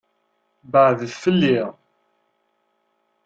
Beɛɛdet fell-i!